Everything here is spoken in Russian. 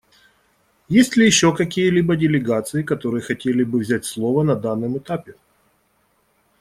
Есть ли еще какие-либо делегации, которые хотели бы взять слово на данном этапе?